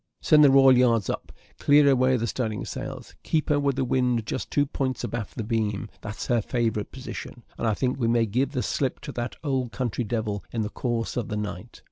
Send the royal yards up clear away the studding sails keep her with the wind just two points abaft the beam, that's her favourite position; and I think we may give the slip to that old country devil in the course of the night."